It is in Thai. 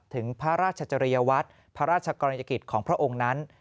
ถึงพระราชจริยวัตรพระราชกรณียกิจของพระองค์นั้น